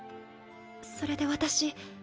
それで私